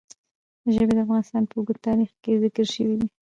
ژبې د افغانستان په اوږده تاریخ کې ذکر شوي دي.